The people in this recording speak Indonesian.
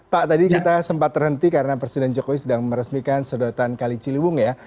pak tadi kita sempat terhenti karena presiden jokowi sedang meresmikan sedotan kali ciliwung ya